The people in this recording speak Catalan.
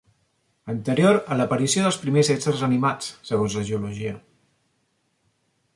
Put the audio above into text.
Anterior a l'aparició dels primers éssers animats, segons la geologia.